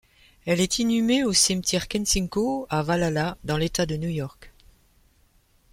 Elle est inhumée au cimetière Kensico, à Valhalla, dans l'État de New York.